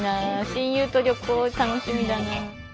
親友と旅行楽しみだな。